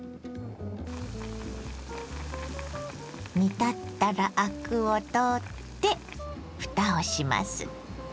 煮立ったらアクを取ってふたをします。